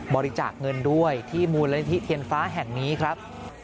บริจาคเงินด้วยที่มูลนิธิเทียนฟ้าแห่งนี้ครับ